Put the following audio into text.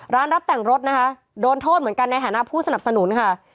รับแต่งรถนะคะโดนโทษเหมือนกันในฐานะผู้สนับสนุนค่ะ